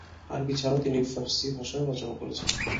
আরবি ছাড়াও তিনি ফারসি ভাষায়ও রচনা করেছেন।